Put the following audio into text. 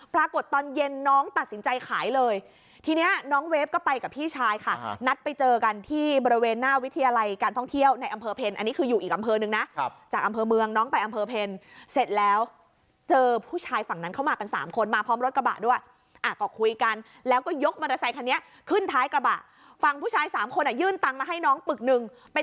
ปรากฏตอนเย็นน้องตัดสินใจขายเลยทีเนี้ยน้องเวฟก็ไปกับพี่ชายค่ะนัดไปเจอกันที่บริเวณหน้าวิทยาลัยการท่องเที่ยวในอำเภอเพลนอันนี้คืออยู่อีกอำเภอหนึ่งนะครับจากอำเภอเมืองน้องไปอำเภอเพลนเสร็จแล้วเจอผู้ชายฝั่งนั้นเข้ามากันสามคนมาพร้อมรถกระบะด้วยอ่ะก็คุยกันแล้วก็ยกมอเต